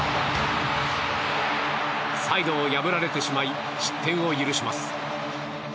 サイドを破られてしまい失点を許します。